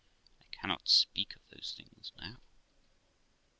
I cannot speak of those things now.'